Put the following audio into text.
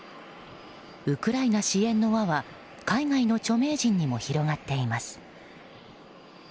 ウクライナ支援の輪は海外の著名人にも広まっています。